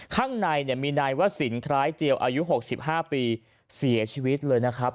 ข้างในมีนายวสินคล้ายเจียวอายุ๖๕ปีเสียชีวิตเลยนะครับ